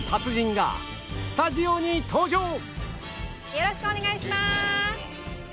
よろしくお願いします！